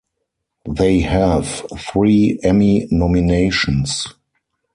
They have three Emmy nominations.